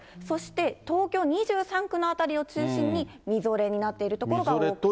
そして、東京２３区の辺りを中心にみぞれになっている所が多い。